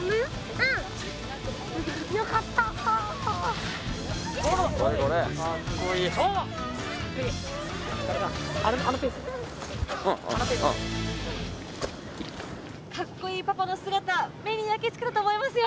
うんカッコいいパパの姿目に焼きつけると思いますよ